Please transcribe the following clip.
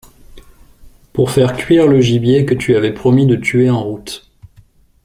Pour faire cuire le gibier que tu avais promis de tuer en route.